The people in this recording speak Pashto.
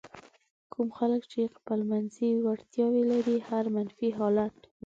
کوم خلک چې خپلمنځي وړتیاوې لري هر منفي حالت هم.